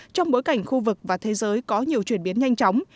trong bối cảnh khu vực và thế giới có nhiều chuyển biến nhanh chóng